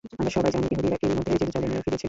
আমরা সবাই জানি, ইহুদিরা এরই মধ্যে জেরুজালেমে ফিরেছে।